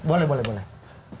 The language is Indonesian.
boleh boleh boleh